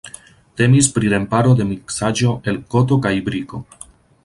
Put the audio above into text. Temis pri remparo de miksaĵo el koto kaj briko.